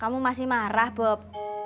kamu masih marah bob